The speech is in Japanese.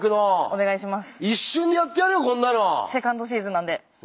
お願いします。